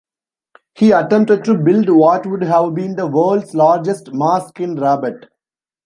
He attempted to build what would have been the world's largest mosque in Rabat.